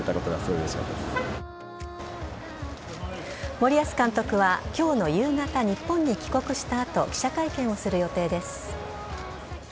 森保監督は今日の夕方日本に帰国した後記者会見をする予定です。